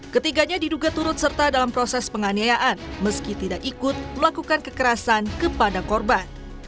ketiganya diduga turut serta dalam proses penganiayaan meski tidak ikut melakukan kekerasan kepada korban